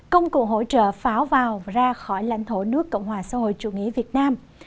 công cụ hỗ trợ pháo vào ra khỏi lãnh thổ nước cộng hòa xã hội chủ nghĩa việt nam